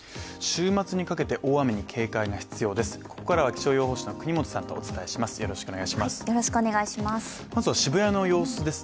週末にかけて大雨に警戒が必要です。